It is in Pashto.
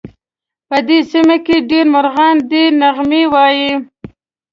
په دې سیمه کې ډېر مرغان دي نغمې وایې